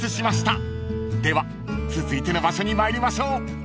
［では続いての場所に参りましょう］